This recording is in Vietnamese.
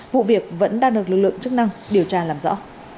vụ việc vẫn đang được lực lượng chức năng điều tra làm rõ